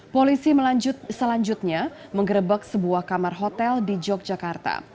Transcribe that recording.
polisi selanjutnya mengerebek sebuah kamar hotel di yogyakarta